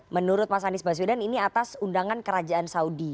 menurut mas anies baswedan ini atas undangan kerajaan saudi